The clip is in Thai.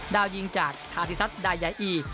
ดาวยิงจากทาธิสัตว์ดายาอี